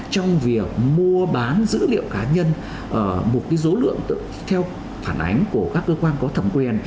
trong việc mua bán dữ liệu cá nhân một số lượng theo phản ánh của các cơ quan có thẩm quyền